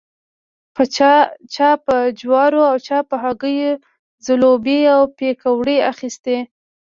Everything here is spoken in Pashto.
چا په جوارو او چا په هګیو ځلوبۍ او پیکوړې اخيستې.